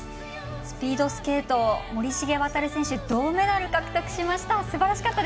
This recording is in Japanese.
スピードスケート森重航選手銅メダル獲得しました。